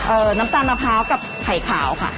น้ำตาลมะพร้าวกับไข่ขาวค่ะ